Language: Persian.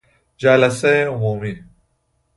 جلسه عمومی